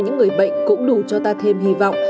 những người bệnh cũng đủ cho ta thêm hy vọng